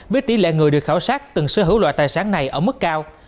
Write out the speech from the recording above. với tỷ lệ người được khảo sát từng sở hữu loại tài sản này ở mức cao